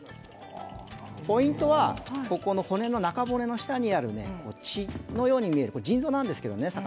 ポイントは骨の中骨の下にある血のように見えるこれは魚の腎臓なんですけれどもね。